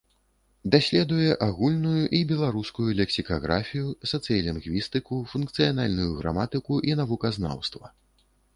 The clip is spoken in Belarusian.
Даследуе агульную і беларускую лексікаграфію, сацыялінгвістыку, функцыянальную граматыку і навуказнаўства.